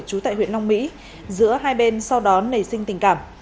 trú tại huyện long mỹ giữa hai bên sau đó nảy sinh tình cảm